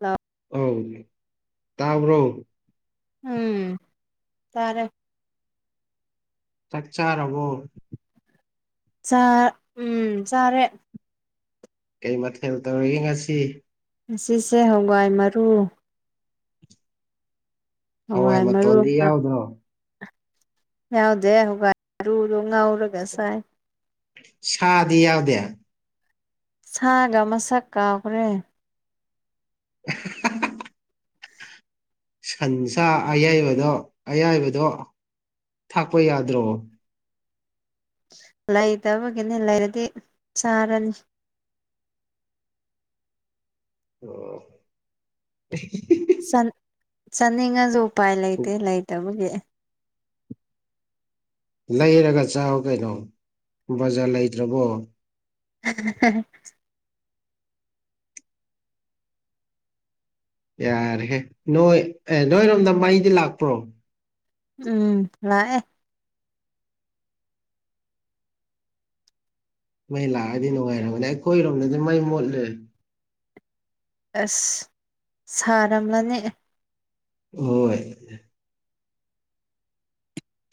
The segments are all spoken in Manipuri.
ꯍꯥꯎ ꯑꯧ ꯇꯥꯕ꯭ꯔꯣ ꯎꯝ ꯇꯥꯔꯦ ꯆꯛ ꯆꯥꯔꯕꯣ ꯎꯝ ꯆꯥꯔꯦ ꯀꯩ ꯃꯊꯦꯜ ꯇꯧꯔꯤꯒꯦ ꯉꯁꯤ ꯉꯁꯤꯁꯦ ꯍꯋꯥꯏ ꯃꯔꯨ ꯍꯋꯥꯏ ꯃꯔꯨ ꯃꯇꯣꯟꯗꯤ ꯑꯃ ꯌꯥꯎꯗ꯭ꯔꯣ ꯌꯥꯎꯗꯦ ꯃꯔꯨꯗꯣ ꯉꯥꯎꯔꯒ ꯆꯥꯏ ꯁꯥꯗꯤ ꯌꯥꯎꯗꯦ ꯁꯥꯒ ꯃꯁꯛ ꯀꯥꯎꯈ꯭ꯔꯦ ꯍꯥ ꯍꯥ ꯍꯥ ꯁꯟꯁꯥ ꯑꯌꯥꯏꯕꯗꯣ ꯑꯌꯥꯏꯕꯗꯣ ꯊꯥꯛꯄ ꯌꯥꯗ꯭ꯔꯣ ꯂꯩꯇꯕꯒꯤꯅꯤ ꯂꯩꯔꯗꯤ ꯆꯥꯔꯅꯤ ꯑꯣ ꯆꯥꯅꯤꯡꯉꯁꯨ ꯎꯄꯥꯏ ꯂꯩꯇꯦ ꯂꯩꯇꯕꯒꯤ ꯑꯦ ꯂꯩꯔꯒ ꯆꯥꯎ ꯀꯩꯅꯣ ꯕꯖꯥꯔ ꯂꯩꯇ꯭ꯔꯕꯣ ꯍꯍ ꯌꯥꯔꯍꯦ ꯅꯣꯏ ꯑꯦ ꯅꯣꯏꯔꯣꯝꯗ ꯃꯩ ꯂꯥꯛꯄ꯭ꯔꯣ ꯎꯝ ꯂꯥꯛꯑꯦ ꯃꯩ ꯂꯥꯛꯑꯗꯤ ꯅꯨꯡꯉꯥꯏꯔꯕꯅꯦ ꯑꯩꯈꯣꯏꯔꯣꯝꯗꯗꯤ ꯃꯩ ꯃꯨꯠꯂꯦ ꯑꯁ ꯁꯥꯔꯝꯂꯅꯤ ꯍꯣꯏ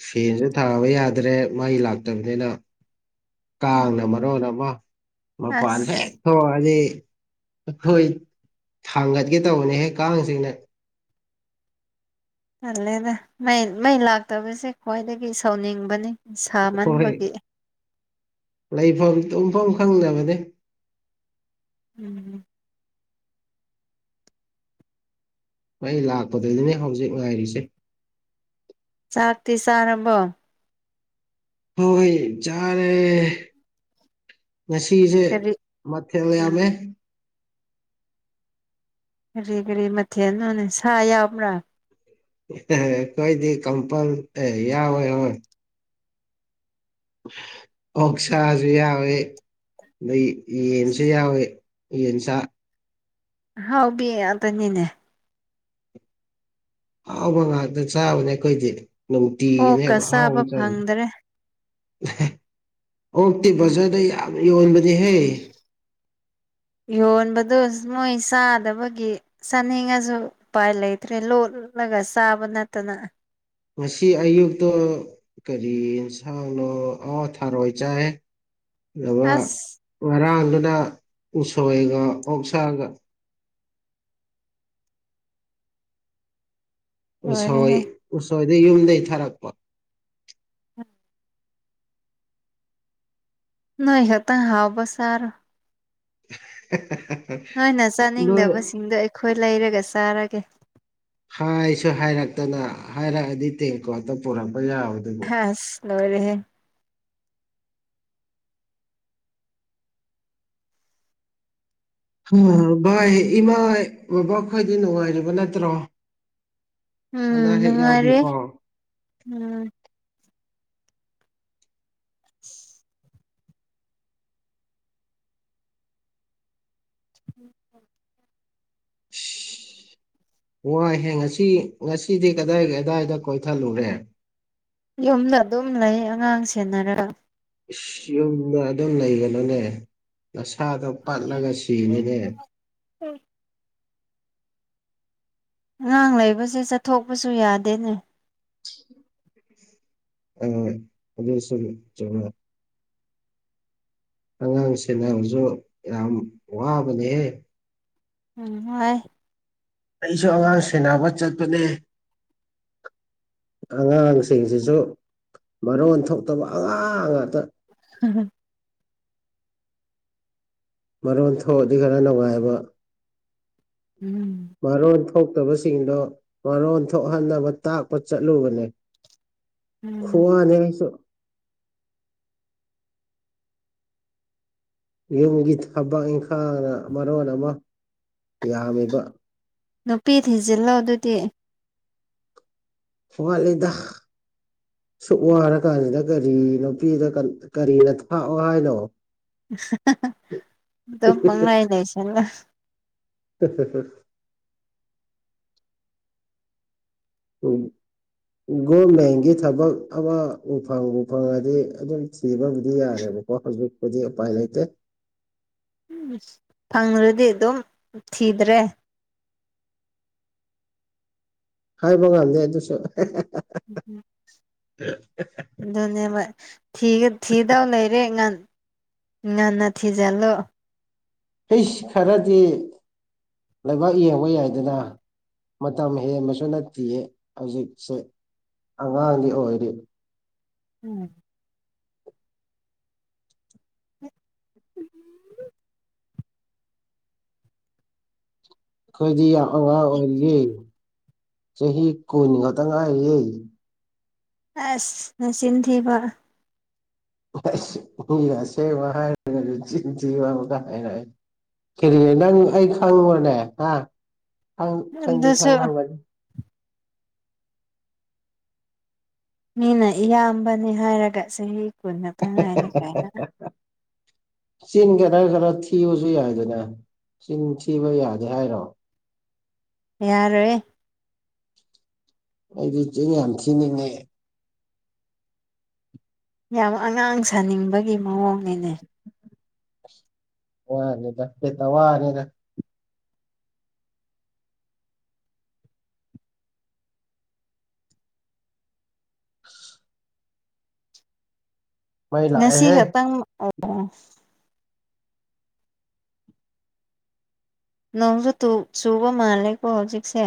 ꯐꯦꯟꯁꯨ ꯊꯥꯕ ꯌꯥꯗ꯭ꯔꯦ ꯃꯩꯁꯨ ꯂꯥꯛꯇꯕꯅꯤꯅ ꯀꯥꯡꯅ ꯃꯔꯣꯟ ꯑꯃ ꯃꯄꯥꯟꯗ ꯍꯦꯛ ꯑꯁ ꯍꯣꯏ ꯑꯗꯨꯗꯤ ꯑꯩꯈꯣꯏ ꯊꯥꯡꯒꯠꯀꯦ ꯇꯧꯕꯅꯦꯍꯦꯛ ꯀꯥꯡꯁꯤꯅ ꯈ꯭ꯇꯜꯂꯦꯗ ꯃꯩ ꯃꯩ ꯂꯥꯛꯇꯕꯁꯦ ꯈ꯭ꯋꯥꯏꯗꯒꯤ ꯍꯣꯏ ꯁꯥꯎꯅꯤꯡꯕꯅꯦꯁꯥꯃꯟꯕꯒꯤ ꯂꯩꯐꯝ ꯇꯨꯝꯐꯝ ꯈꯪꯗꯕꯅꯦ ꯎꯝ ꯃꯩ ꯂꯥꯛꯄꯗꯗꯤꯅꯦ ꯍꯧꯖꯤꯛ ꯉꯥꯏꯔꯤꯁꯦ ꯆꯥꯛꯇꯤ ꯆꯥꯔꯕꯣ ꯍꯣꯏ ꯆꯥꯔꯦ ꯉꯁꯤꯁꯦ ꯀꯔꯤ ꯃꯊꯦꯜ ꯌꯥꯝꯃꯦ ꯀꯔꯤ ꯀꯔꯤ ꯃꯊꯦꯜꯅꯣꯅꯦ ꯁꯥ ꯌꯥꯎꯕ꯭ꯔꯥ ꯑꯩꯈꯣꯏꯗꯤ ꯀꯝꯄꯜ ꯌꯥꯋꯦꯍꯣꯏ ꯑꯣꯛ ꯁꯥꯥꯁꯨ ꯌꯥꯎꯋꯦ ꯑꯗꯩ ꯌꯦꯟꯁꯨ ꯌꯥꯎꯋꯦ ꯌꯦꯟꯁꯥ ꯍꯥꯎꯕꯤ ꯔꯕꯅꯤꯅꯤꯅꯦ ꯑꯍꯥꯎꯕ ꯉꯥꯛꯇ ꯆꯥꯕꯅꯦ ꯑꯩꯈꯣꯏꯗꯤ ꯅꯨꯡꯇꯤꯒꯤꯅꯦ ꯑꯣꯛꯀ ꯑꯍꯥꯎꯕ ꯆꯥꯕ ꯆꯥꯔꯤꯁꯦ ꯐꯪꯗ꯭ꯔꯦ ꯑꯣꯛꯇꯤ ꯕꯖꯥꯔꯗ ꯌꯥꯝ ꯌꯣꯟꯕꯅꯤꯍꯦ ꯌꯣꯟꯕꯗꯣ ꯃꯣꯏ ꯆꯥꯗꯕꯒꯤ ꯆꯥꯅꯤꯡꯉꯁꯨ ꯎꯄꯥꯏ ꯂꯩꯇ꯭ꯔꯦ ꯂꯣꯠꯂꯒ ꯆꯥꯕ ꯅꯠꯇꯅ ꯉꯁꯤ ꯑꯌꯨꯛꯇꯣ ꯀꯔꯤ ꯌꯦꯟꯁꯥꯡꯅꯣ ꯑ ꯊꯥꯔꯣꯏ ꯆꯥꯏꯌꯦ ꯑꯗꯨꯒ ꯑꯁ ꯉꯔꯥꯡꯗꯨꯅ ꯎꯁꯣꯏꯒ ꯑꯣꯛꯁꯥꯒ ꯎꯁꯣꯏ ꯂꯣꯏꯔꯦꯍꯦ ꯎꯁꯣꯏꯗꯤ ꯌꯨꯝꯗꯒꯤ ꯊꯥꯔꯛꯄ ꯅꯣꯏ ꯈꯛꯇ ꯍꯥꯥꯎꯕ ꯆꯔꯣ [unintelligible] ꯅꯣꯏꯅ ꯅꯣꯏ ꯆꯥꯅꯤꯡꯗꯕꯁꯤꯡꯗꯣ ꯑꯩꯈꯣꯏ ꯂꯩꯔꯒ ꯆꯥꯔꯒꯦ ꯍꯥꯏꯁꯨ ꯍꯥꯏꯔꯛꯇꯅ ꯍꯥꯏꯔꯛꯑꯗꯤ ꯇꯦꯡꯀꯣꯇ ꯄꯨꯔꯛꯄ ꯌꯥꯕꯗꯣ ꯑꯁ ꯂꯣꯏꯔꯦꯍꯦ ꯚꯥꯏ ꯏꯃꯥ ꯕꯕꯥ ꯈꯣꯏꯗꯤ ꯅꯨꯡꯉꯥꯏꯔꯤꯕ ꯅꯠꯇ꯭ꯔꯣ ꯑꯅ ꯎꯝ ꯑꯌꯦꯛ ꯅꯨꯡꯉꯥꯏꯔꯦ ꯌꯥꯎꯗꯦꯀꯣ ꯎꯝ [unintelligible] ꯎꯝ ꯏꯁ, ꯋꯥꯏꯍꯦ ꯉꯁꯤ ꯉꯁꯤꯗꯤ ꯀꯗꯥꯏ ꯀꯗꯥꯏꯗ ꯀꯣꯏꯊꯠꯂꯨꯔꯦ ꯌꯨꯝꯗ ꯑꯗꯨꯝ ꯂꯩ ꯑꯉꯥꯡ ꯁꯦꯟꯅꯔꯒ ꯌꯨꯝꯗ ꯑꯗꯨꯝ ꯂꯩꯒꯅꯨꯅꯦ ꯅꯁꯥꯗꯣ ꯄꯠꯂꯒ ꯁꯤꯅꯤꯅꯦ ꯑꯉꯥꯡ ꯂꯩꯕꯁꯦ ꯆꯠꯊꯣꯛꯄꯁꯨ ꯌꯥꯗꯦꯅꯦ ꯑ ꯑꯗꯨꯁꯨ ꯆꯨꯃꯦ ꯑꯉꯥꯡ ꯁꯦꯟꯅꯕꯁꯨ ꯌꯥꯝ ꯋꯥꯕꯅꯦꯍꯦ ꯎꯝ ꯍ ꯑꯩꯁꯨ ꯑꯉꯥꯡ ꯁꯦꯅꯕ ꯆꯠꯄꯅꯦ ꯑꯉꯥꯡꯁꯤꯡꯁꯤꯁꯨ ꯃꯔꯣꯟ ꯊꯣꯛꯇꯕ ꯑꯉꯥꯡ ꯉꯥꯛꯇ ꯍꯝ ꯍꯝ ꯃꯔꯣꯟ ꯊꯣꯛꯑꯗꯤ ꯈꯔ ꯅꯨꯡꯉꯥꯏꯕ ꯎꯝ ꯃꯔꯣꯟ ꯊꯣꯛꯇꯕꯁꯤꯡꯗꯣ ꯃꯔꯣꯟ ꯊꯣꯛꯍꯟꯅꯕ ꯇꯥꯛꯄ ꯆꯠꯂꯨꯕꯅꯦ ꯎꯝ ꯈꯨꯋꯥꯅꯦꯁꯨ ꯌꯨꯝꯒꯤ ꯊꯕꯛ ꯏꯪꯈꯥꯡꯅ ꯃꯔꯣꯟ ꯑꯃ ꯌꯥꯝꯃꯤꯕ ꯅꯨꯄꯤ ꯊꯤꯖꯤꯜꯂꯣ ꯑꯗꯨꯗꯤ ꯐꯂꯗ ꯁꯨꯛ ꯋꯥꯔ ꯀꯥꯟꯁꯤꯗ ꯀꯔꯤ ꯅꯨꯄꯤꯗ ꯀꯔꯤꯅ ꯊꯥꯛꯑꯣ ꯍꯥꯏꯅꯣ ꯑꯗꯨꯝ ꯄꯪꯂꯩꯏ ꯂꯩꯁꯪꯅ ꯎꯝ ꯍ ꯍꯨꯝ ꯍꯣꯏ ꯒꯣꯔꯃꯦꯟꯒꯤ ꯊꯕꯛ ꯑꯃ ꯎꯐꯪ ꯎꯐꯪꯉꯗꯤ ꯑꯗꯨꯝ ꯊꯤꯕꯕꯨꯗꯤ ꯌꯥꯔꯦꯕ ꯄꯣ ꯈꯨꯗꯤ ꯎꯄꯥꯏ ꯂꯩꯇꯦ ꯎꯝ ꯐꯪ꯭ꯔꯗꯤ ꯑꯗꯨꯝ ꯊꯤꯗ꯭ꯔꯦ ꯍꯥꯏꯕ ꯉꯥꯟꯗꯦ ꯑꯗꯨꯁꯨ ꯑꯗꯨꯅꯕ ꯊꯤꯗꯧ ꯂꯩꯔꯦ ꯉ ꯉꯟꯅ ꯊꯤꯖꯤꯜꯂꯨ ꯍ ꯈꯔꯗꯤ ꯂꯩꯕꯥꯛ ꯌꯦꯡꯕ ꯌꯥꯏꯗꯅ ꯃꯇꯝ ꯍꯦꯟꯕꯁꯨ ꯅꯠꯇꯦꯌꯦ ꯍꯧꯖꯤꯛꯁꯦ ꯑꯉꯥꯡꯗꯤ ꯑꯣꯏꯔꯤꯕ ꯎꯝ ꯑꯩꯈꯣꯏꯗꯤ ꯌꯥꯝ ꯑꯉꯥꯡ ꯑꯣꯏꯔꯤꯌꯦ ꯆꯍꯤ ꯀꯨꯟ ꯈꯛꯇ ꯉꯥꯏꯌꯦ ꯑꯁ [unintelligible] ꯉꯁꯦ ꯃꯥꯉꯥꯏꯕ ꯀ ꯀꯔꯤꯅꯦ ꯅꯪ ꯑꯩ ꯈꯪꯉꯨꯔꯅꯦ ꯑ ꯈꯪꯗꯦ ꯑꯗꯨꯁꯨ ꯈꯪꯪꯕꯅꯤ ꯃꯤꯅ ꯏꯌꯥꯝꯕꯅꯤ ꯍꯥꯏꯔꯒ ꯆꯍꯤ ꯀꯨꯟꯇ ꯉꯥꯏꯔꯤ ꯀꯥꯏꯅ ꯆꯤꯟ ꯈꯔ ꯈꯔ ꯊꯤꯕꯁꯨ ꯌꯥꯏꯗꯅ ꯆꯤꯟ ꯊꯤꯕ ꯌꯥꯗꯦ ꯍꯥꯏꯔꯣ ꯌꯥꯔꯦ ꯑꯩꯗꯤ ꯆ ꯌꯥꯝ ꯊꯤꯅꯤꯡꯉꯦ ꯌꯥꯝ ꯑꯉꯥꯡ ꯁꯥꯅꯤꯡꯕꯒꯤ ꯃꯑꯣꯡꯅꯤꯅꯦ ꯋꯥꯅꯤꯗ ꯄꯦ ꯋꯥꯅꯤꯗ ꯃꯩ ꯉꯁꯤ ꯂꯥꯛꯑꯦꯍꯦ ꯈꯛꯇꯪ ꯅꯣꯡꯁꯖꯨ ꯆꯨꯕ ꯃꯥꯂꯦꯀꯣ ꯍꯧꯖꯤꯛꯁꯦ꯫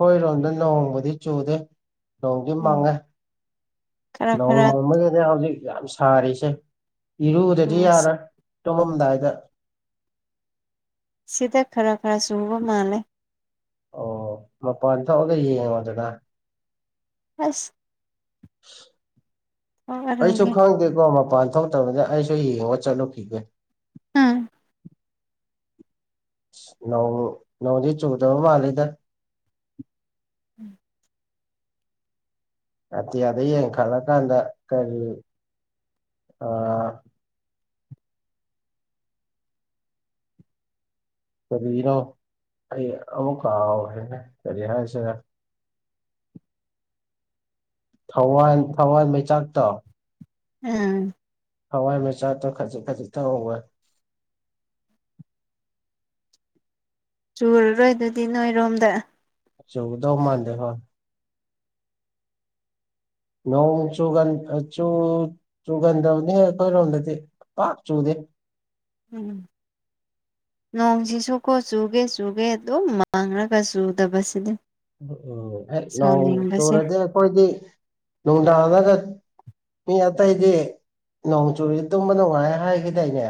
ꯈꯣꯏꯔꯣꯝꯗ ꯅꯣꯡꯍꯣꯡꯃꯗꯤ ꯆꯨꯗꯦ ꯅꯣꯡꯗꯤ ꯎꯝ ꯃꯥꯡꯉꯦ ꯈꯔ ꯅꯣꯡ ꯈꯔ ꯃꯥꯡꯃꯗꯅꯦ ꯍꯧꯖꯤꯛ ꯌꯥꯝ ꯁꯥꯔꯤꯁꯦ ꯏꯔꯨꯗꯗꯤ ꯎꯝ ꯌꯥꯔꯣꯏ ꯇꯨꯝꯃꯝꯗꯥꯏꯗ ꯁꯤꯗ ꯈꯔ ꯈꯔ ꯁꯨꯕ ꯃꯥꯜꯂꯦ ꯑꯣ ꯃꯄꯥꯟ [unintelligible] ꯍꯁ ꯑꯩꯁꯨ ꯊꯣꯛꯑꯔꯣꯏꯅꯦ ꯈꯪꯗꯦꯀꯣ ꯃꯄꯥꯟ ꯊꯣꯛꯇꯕꯅꯤ ꯑꯩꯁꯨ ꯌꯦꯡꯉꯒ ꯆꯠꯂꯨꯈꯤꯒꯦ ꯎꯝ ꯅꯧ ꯅꯧꯗ ꯆꯧꯗꯕ ꯏꯗ ꯑꯇꯤꯌꯥꯗ ꯌꯦꯡꯈꯠꯂꯀꯥꯟꯗ ꯀꯔꯤ ꯑ ꯀꯔꯤꯅꯣ ꯑꯩ ꯑꯃ ꯀꯥꯎ ꯍꯥꯏꯅꯦ ꯀꯔꯤ ꯍꯥꯏꯁꯦ ꯊꯋꯥꯟ ꯊꯋꯥꯟ ꯃꯩꯆꯥꯛꯇꯣ ꯑꯝ ꯍꯋꯥꯏ ꯃꯆꯥ [unintelligible] ꯆꯨꯔꯔꯣꯏ ꯑꯗꯨꯗꯤ ꯅꯣꯏꯔꯣꯝꯗ ꯆꯗꯧ ꯃꯥꯥꯟꯗꯦ ꯐꯣꯏ ꯅꯣꯡ ꯆꯨ ꯆꯨꯒꯟꯗꯕꯅꯦ ꯑꯩꯈꯣꯏꯔꯣꯝꯗꯗꯤ ꯄꯥꯛ ꯆꯨꯗꯦ ꯎꯝ ꯅꯣꯡꯁꯤꯁꯨꯨꯀꯣ ꯆꯨꯒꯦ ꯆꯨꯒꯦ ꯑꯗꯨꯝ ꯃꯥꯡꯂꯒ ꯆꯨꯗꯕꯁꯤꯗꯤ ꯎ ꯎꯝ ꯅꯣꯡ ꯁꯥꯎꯅꯤꯡꯕꯁꯦ ꯆꯨꯔꯗꯤ ꯑꯩꯈꯣꯏꯗꯤ ꯅꯨꯡꯗꯥꯡꯔꯒ ꯃꯤ ꯑꯇꯩꯗꯤ ꯅꯣꯡ ꯆꯨꯔꯤ ꯇꯨꯝꯕ ꯅꯨꯡꯉꯥꯏ ꯍꯥꯏꯈꯤꯗꯥꯏꯅꯦ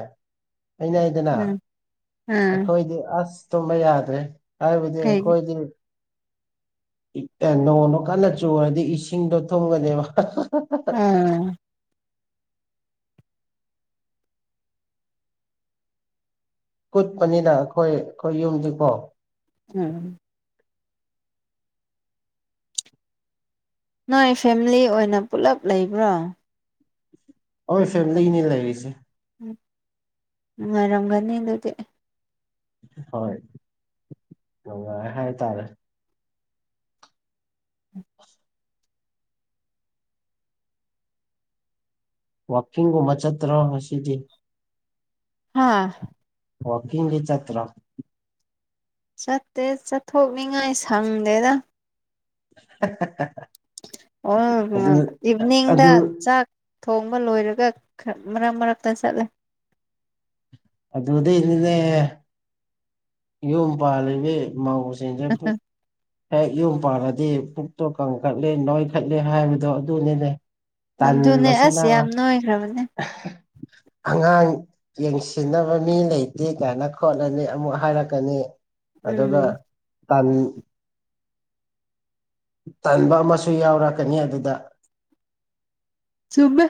ꯑꯩꯅ ꯍꯥꯏꯗꯅ ꯎꯝ ꯎꯝ ꯑꯩꯈꯣꯏꯗꯤ ꯑꯁ ꯇꯨꯝꯕ ꯌꯥꯗ꯭ꯔꯦ ꯍꯥꯏꯕꯗꯤ ꯀꯩꯒꯤ ꯑꯩꯈꯣꯏꯗꯤ ꯑꯦ ꯅꯣꯡꯗꯣ ꯀꯟꯅ ꯆꯨꯔꯗꯤ ꯏꯁꯤꯡꯗꯣ ꯊꯨꯡꯒꯅꯦꯕ ꯎꯝ ꯀꯨꯠꯄꯅꯤꯅ ꯑꯩꯈꯣꯏ ꯑꯩꯈꯣꯏ ꯌꯨꯝꯗꯤꯀꯣ ꯎꯝ ꯅꯣꯏ ꯐꯦꯃꯤꯂꯤ ꯑꯣꯏꯅ ꯄꯨꯂꯞ ꯂꯩꯕ꯭ꯔꯣ ꯈꯣꯏ ꯐꯦꯝꯂꯤꯅꯤ ꯂꯩꯔꯤꯁꯦ ꯎꯝ ꯉꯥꯏꯔꯝꯒꯅꯤ ꯑꯗꯨꯗꯤ ꯍꯣꯏ ꯅꯨꯉꯥꯏ ꯍꯥꯏ ꯇꯥꯔꯦ ꯋꯥꯛꯀꯤꯡꯒꯨꯝꯕ ꯃꯆꯇ꯭ꯔꯣ ꯉꯥꯁꯤꯗꯤ ꯍꯥꯥ ꯋꯥꯛꯀꯤꯡꯗꯤ ꯆꯠꯇ꯭ꯔꯣ ꯆꯠꯇꯦ ꯆꯠꯊꯣꯛꯅꯤꯉꯥꯏ ꯁꯪꯗꯦꯗ [unintelligible] ꯑꯗꯨ [unintelligible] ꯏꯚꯤꯅꯤꯡꯗ ꯑꯗꯨ ꯆꯥꯛ ꯊꯣꯡꯕ ꯂꯣꯏꯔꯒ ꯈꯥ ꯃꯔꯛ ꯃꯔꯛꯇ ꯆꯠꯂꯦ [unintelligible] ꯌꯣꯝ ꯄꯥꯜꯂꯤꯕꯤ ꯃꯧꯁꯤꯡꯁꯦ ꯄꯨꯛ ꯍꯦꯛ ꯌꯨꯝ ꯄꯥꯜꯂꯗꯤ ꯄꯨꯛꯇꯣ ꯀꯪꯈꯠꯂꯦ ꯅꯣꯏꯈꯠꯂꯦ ꯍꯥꯏꯕꯗꯣ ꯑꯗꯨꯅꯤꯅꯦ ꯑꯗꯨꯅꯦ ꯑꯁ ꯇꯟꯕꯁꯤꯅ ꯌꯥꯝ ꯅꯣꯏꯈ꯭ꯔꯕꯅꯦ ꯑꯉꯥꯡ ꯌꯦꯡꯁꯤꯟꯅꯕ ꯃꯤ ꯂꯩꯇꯦ ꯀꯥꯏꯅ ꯈꯣꯠꯂꯅꯤ ꯑꯃꯨꯛ ꯍꯥꯏꯔꯛ ꯀꯅꯤ ꯑꯗꯨꯒ ꯎꯝ ꯇꯟ ꯇꯟꯕ ꯑꯃꯁꯨ ꯌꯥꯎꯔꯛꯀꯅꯤ ꯑꯗꯨꯗ ꯆꯨꯝꯃꯦ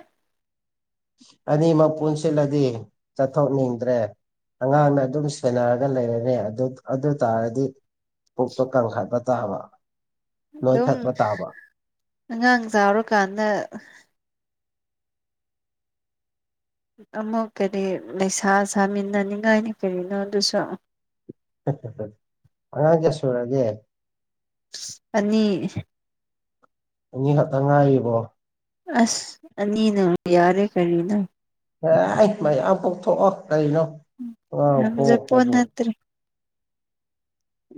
ꯑꯅꯤꯃꯛ ꯄꯨꯟꯁꯤꯜꯂꯗꯤ ꯆꯠꯊꯣꯛꯅꯤꯡꯗ꯭ꯔꯦ ꯑꯉꯥꯡꯅ ꯑꯗꯨꯝ ꯁꯦꯟꯅꯔꯒ ꯂꯩꯔꯔꯦ ꯑꯗꯨ ꯑꯗꯨ ꯇꯥꯔꯗꯤ ꯄꯨꯛꯇꯣ ꯀꯪꯈꯠꯕ ꯇꯥꯕ ꯑꯗꯨꯝ ꯅꯣꯏꯈꯠꯄ ꯇꯥꯕ ꯑꯉꯥꯡ ꯆꯥꯎꯔꯥꯀꯥꯟꯗ ꯑꯃꯨꯛ ꯀꯔꯤ ꯂꯩꯩꯁꯥ ꯁꯥꯥꯃꯤꯟꯅꯅꯤꯡꯉꯥꯏꯅꯤ ꯀꯔꯤꯅꯣ ꯑꯗꯨꯁꯨ [unintelligible] ꯑꯉꯥꯡ ꯀꯌꯥ ꯁꯨꯔꯒꯦ ꯑꯅꯤ ꯑꯅꯤ ꯈꯛꯇꯪ ꯉꯥꯏꯔꯤꯕꯣ ꯑꯁ ꯑꯅꯤꯅ ꯌꯥꯔꯦ ꯀꯔꯤꯅꯣ ꯑꯦ ꯃꯌꯥꯝ ꯄꯣꯛꯊꯣꯛꯑꯣ ꯀꯩꯅꯣ ꯑꯉꯥꯡ ꯄꯣꯛ ꯉꯝꯖꯄꯣꯠ ꯄꯕꯨ ꯅꯠꯇ꯭ꯔꯦ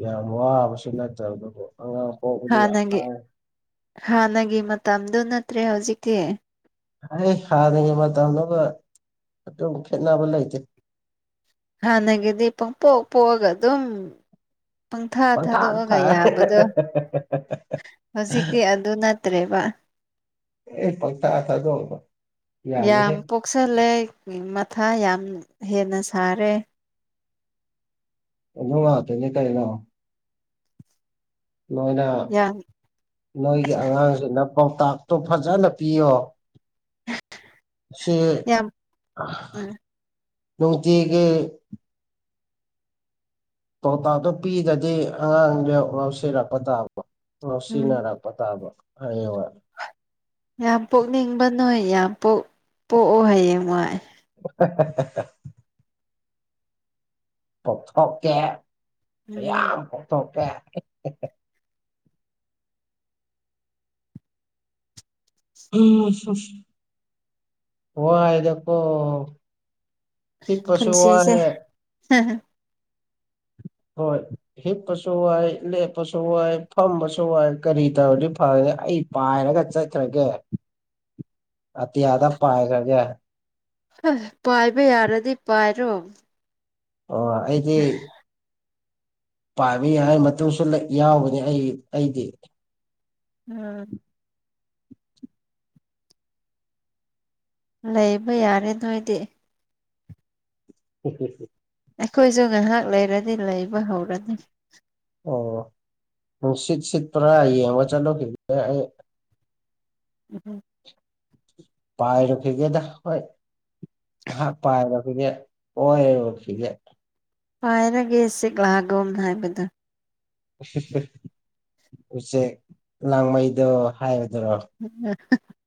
ꯌꯥꯝ ꯋꯥꯕꯁꯨ ꯅꯠꯇꯕꯗꯨꯕꯨ ꯑꯉꯥꯡ ꯄꯣꯛꯄꯗꯤ ꯌꯥꯝ ꯍꯥꯟꯅꯒꯤ ꯂꯥꯏ ꯍꯥꯟꯅꯒꯤ ꯃꯇꯝꯗꯨ ꯅꯠꯇ꯭ꯔꯦ ꯍꯧꯖꯤꯛꯇꯤ ꯑꯩ ꯍꯥꯟꯅꯒꯤ ꯃꯇꯝꯗꯨꯒ ꯑꯗꯨꯝ ꯈꯦꯠꯅꯕ ꯂꯩꯇꯦ ꯍꯥꯟꯅꯒꯤꯗꯤ ꯄꯪꯄꯣꯛ ꯄꯣꯛꯑꯒ ꯑꯗꯨꯝ ꯄꯪꯊꯥ ꯊꯥꯗꯣꯛꯑꯒ ꯌꯥꯕꯗꯣ ꯍꯧꯖꯤꯛꯇꯤ ꯑꯗꯨ ꯅꯠꯇ꯭ꯔꯦꯕ ꯑꯦ ꯄꯪꯊꯥ ꯊꯥꯗꯣꯛꯑꯒ ꯌꯥꯝ ꯄꯣꯛꯁꯜꯂꯦ ꯃꯊꯥ ꯌꯥꯝ ꯍꯦꯟꯅ ꯁꯥꯔꯦ ꯑꯗꯨ ꯉꯥꯛꯇꯅꯤ ꯀꯩꯅꯣ ꯅꯣꯏꯅ ꯌꯥꯝ ꯅꯣꯏꯒꯤ ꯑꯉꯥꯡꯁꯤꯅ ꯄꯥꯎꯇꯥꯛꯇꯣ ꯐꯖꯅ ꯄꯤꯌꯣ ꯁꯤ ꯌꯥꯝ ꯎꯝ ꯅꯨꯡꯇꯤꯒꯤ ꯄꯥꯎꯇꯥꯛꯇꯣ ꯄꯤꯗ꯭ꯔꯗꯤ ꯑꯉꯥꯡꯗ ꯉꯥꯎꯁꯤꯔꯛꯄ ꯇꯥꯕ ꯎꯝ ꯉꯥꯎꯁꯤꯟꯅꯔꯛꯄ [unintelligible] ꯌꯥꯝ ꯄꯣꯛꯅꯤꯡꯕ ꯅꯣꯏ ꯌꯥꯝ ꯄꯣꯛ ꯄꯣꯛꯑꯣ ꯍꯌꯦꯡ ꯋꯥꯏ [inaudible] ꯄ‌ꯣꯛꯊꯣꯛꯀꯦ ꯎꯝ ꯃꯌꯥꯝ ꯄ‌ꯣꯛꯊꯣꯛꯀꯦ [unintelligible] ꯋꯥꯏꯗꯀꯣ ꯍꯤꯞꯄꯁꯨ ꯄꯨꯟꯁꯤꯁꯦ ꯋꯥꯔꯦ ꯍꯣꯏ ꯍꯤꯞꯄꯁꯨ ꯋꯥꯏ ꯂꯦꯞꯄꯁꯨ ꯋꯥꯏ ꯐꯝꯕꯁꯨ ꯋꯥꯏ ꯀꯔꯤ ꯇꯧꯔꯗꯤ ꯐꯒꯅꯤ ꯑꯩ ꯄꯥꯏꯔꯒ ꯆꯠꯈ꯭ꯔꯒꯦ [inaudible] ꯑꯇꯤꯌꯥꯗ ꯄꯥꯏꯈꯔꯒ‌ꯦ ꯄꯥꯏꯕ ꯌꯥꯔꯗꯤ ꯄꯥꯏꯔꯣ ꯑꯣ ꯑꯩꯗꯤ ꯄꯥꯏꯕ ꯌꯥꯏ ꯃꯇꯨꯁꯨ ꯂꯩ ꯌꯧꯕ‌ꯅ‌ꯦ ꯑꯩ ꯑꯩꯗꯤ ꯎꯝ ꯂꯩꯕ ꯌꯥꯔꯦ ꯅꯣꯏꯗꯤ [unintelligible] ꯑꯩꯈꯣꯏꯁꯨ ꯉꯥꯏꯍꯥꯛ ꯂꯩꯔꯗꯤ ꯂꯩꯕ ꯍꯧꯔꯅꯤ ꯑꯣ ꯅꯨꯡꯁꯤꯠ ꯁꯤꯠꯄꯔꯥ ꯌꯦꯡꯕ ꯆꯠꯂꯨꯈꯤꯒ‌ꯦ ꯑꯩ ꯎꯝꯝ ꯄꯥꯏꯔꯨꯈꯤꯒꯦꯗ ꯍꯣꯏ ꯍꯥ ꯄꯥꯏ ꯀ‌ꯣꯏꯔꯨꯈꯤꯒ‌ꯦ ꯄꯥꯏꯔꯒꯦ ꯁꯤꯛꯂꯥꯒꯨꯝ ꯍꯥꯏꯕꯗꯣ ꯎꯆꯦꯛ ꯂꯥꯡꯃꯩꯗꯣꯡ ꯍꯥꯏꯕꯗꯨꯔꯣ [inaudible]